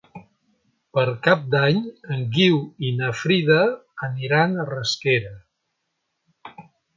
Per Cap d'Any en Guiu i na Frida aniran a Rasquera.